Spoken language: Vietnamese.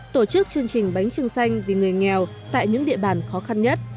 tổ chức chương trình bánh trưng xanh vì người nghèo tại những địa bàn khó khăn nhất